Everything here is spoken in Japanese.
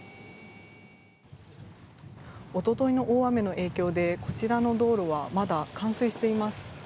おとといの大雨の影響でこちらの道路はまだ冠水しています。